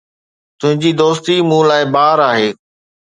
تنهنجي دوستي مون لاءِ بار آهي